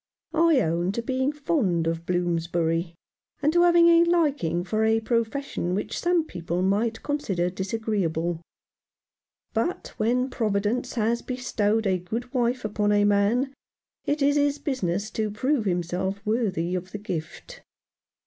I own to being fond of Bloomsbury, and to having a liking for a profession which some people might consider disagreeable ; but when Providence has bestowed a good wife upon a man, it is his business to prove himself worthy of the gift.